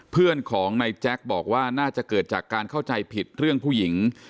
เพื่อนของนายแจ็คบอกว่าน่าจะเกิดจากการเข้าใจผิดเรื่องผู้หญิง